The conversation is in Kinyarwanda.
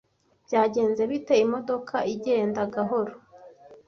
Byagenze bite? Imodoka igenda gahoro.